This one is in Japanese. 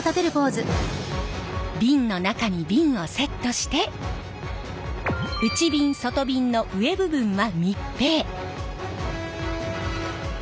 瓶の中に瓶をセットして内びん外びんの上部分は密閉。